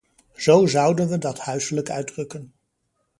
Zo zouden we dat huiselijk uitdrukken.